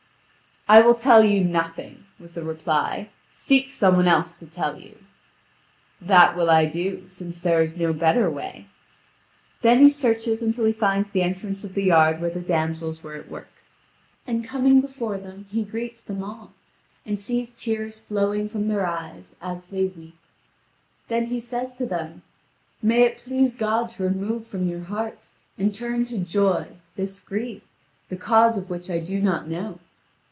"I will tell you nothing," was the reply; "seek some one else to tell you." "That will I do, since there is no better way." Then he searches until he finds the entrance of the yard where the damsels were at work: and coming before them, he greets them all, and sees tears flowing from their eyes, as they weep. Then he says to them: "May it please God to remove from your hearts, and turn to joy, this grief, the cause of which I do not know."